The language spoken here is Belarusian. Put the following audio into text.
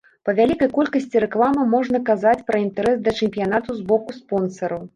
Па вялікай колькасці рэкламы можна казаць пра інтарэс да чэмпіянату з боку спонсараў.